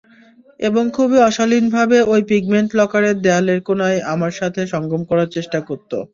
এবং খুবই অশালীনভাবে ঐ পিগমেন্ট লকারের দেয়ালের কোণায় আমার সাথে সঙ্গম করার চেষ্টা করত।